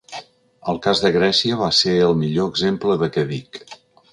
El cas de Grècia va ser el millor exemple de què dic.